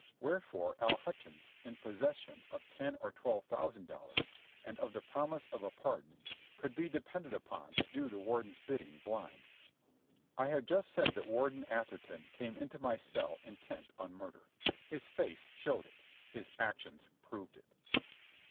Wherefore Al Hutchins, in possession of ten or twelve thousand dollars and of the promise of a pardon, could be depended upon to do the Warden's bidding blind. I have just said that Warden Atherton came into my cell intent on murder. His face showed it. His actions proved it.